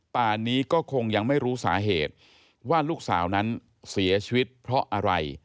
ป่านนี้ก็คงยังไม่รู้สาเหตุว่าลูกสาวนั้นเสียชีวิตเพราะอะไร